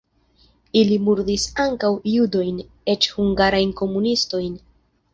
Ili murdis ankaŭ judojn, eĉ hungarajn komunistojn.